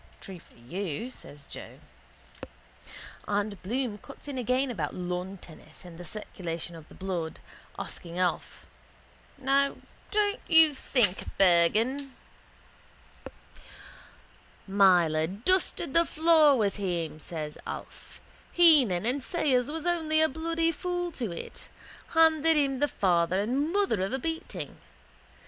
—True for you, says Joe. And Bloom cuts in again about lawn tennis and the circulation of the blood, asking Alf: —Now, don't you think, Bergan? —Myler dusted the floor with him, says Alf. Heenan and Sayers was only a bloody fool to it. Handed him the father and mother of a beating.